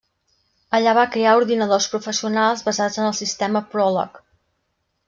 Allà va crear ordinadors professionals basats en el sistema Prologue.